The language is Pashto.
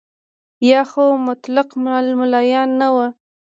یا خو مطلق ملایان نه وو.